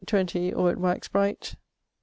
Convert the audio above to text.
xx or it wax bright .